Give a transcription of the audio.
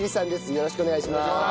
よろしくお願いします。